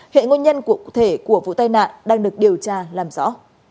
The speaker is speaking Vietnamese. hệ nguyên nhân cụ thể của vụ tai nạn đang được điều tra làm rõ